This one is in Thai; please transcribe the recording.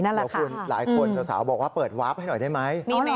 เดี๋ยวคุณหลายคนสาวบอกว่าเปิดวาร์ฟให้หน่อยได้ไหม